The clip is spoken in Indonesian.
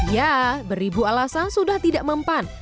ya beribu alasan sudah tidak mempan